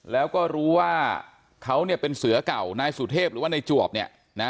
แล้วก็รู้ว่าเขาเนี่ยเป็นเสือเก่านายสุเทพหรือว่านายจวบเนี่ยนะ